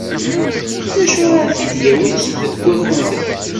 D acu ara t-id-yawin deg wakud-a?